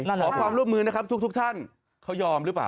ขอความร่วมมือนะครับทุกท่านเขายอมหรือเปล่า